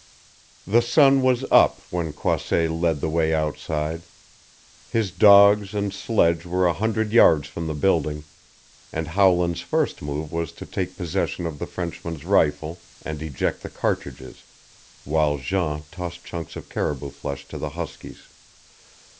The sun was up when Croisset led the way outside. His dogs and sledge were a hundred yards from the building, and Howland's first move was to take possession of the Frenchman's rifle and eject the cartridges while Jean tossed chunks of caribou flesh to the huskies.